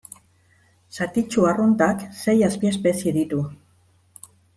Satitsu arruntak sei azpiespezie ditu.